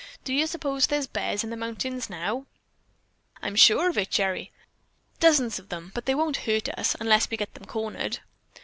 Do you suppose there's bears in those mountains now?" "I'm sure of it, Gerry. Dozens of them, but they won't hurt us, unless we get them cornered."